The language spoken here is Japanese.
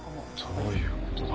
どういうことだ？